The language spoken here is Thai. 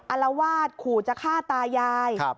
อารวาสขู่จะฆ่าตายาย